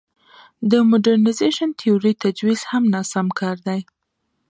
د موډرنیزېشن تیورۍ تجویز هم ناسم کار دی.